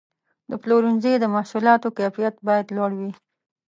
د پلورنځي د محصولاتو کیفیت باید لوړ وي.